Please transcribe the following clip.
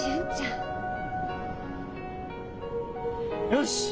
よし！